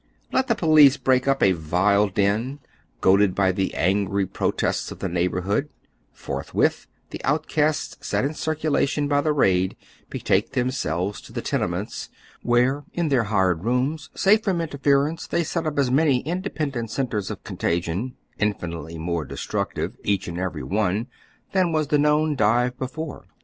Let the police break np a vile dive, goaded by the angry protests of the neighborhood — forthwith the outcasts set in circu lation by the raid betake themselves to the tenements, where in their hired rooms, safe from interference, they set up as many independent centres of contagion, infinite ly more destrueti\'e, each and every one, than was the oy Google WHAT liAS BKEN DONE, 275 known dive before.